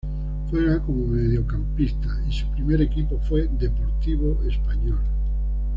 Juega como mediocampista y su primer equipo fue Deportivo Español.